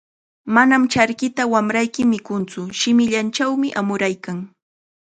"Manam charkita wamrayki mikuntsu, shimillanchawmi amuraykan."